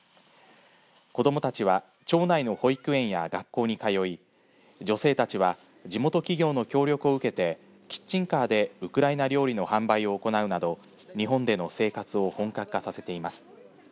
子どもたちは町内の保育園や学校に通い女性たちは地元企業の協力を受けてキッチンカーでウクライナ料理の販売を行うなど日本での生活を本格化させています。